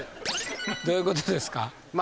どういうことですか？